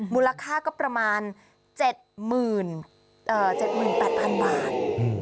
มูลค่าก็ประมาณ๗๗๘๐๐๐บาท